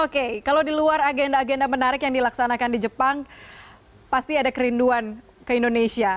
oke kalau di luar agenda agenda menarik yang dilaksanakan di jepang pasti ada kerinduan ke indonesia